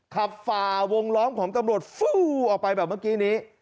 ฝ่าวงล้อมของตำรวจฟู้ออกไปแบบเมื่อกี้นี้